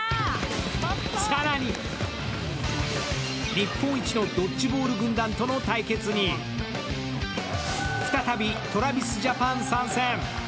日本一のドッジボール軍団との対決に再び、ＴｒａｖｉｓＪａｐａｎ参戦。